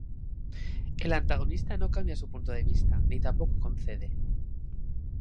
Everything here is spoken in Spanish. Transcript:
El antagonista no cambia su punto de vista, ni tampoco concede.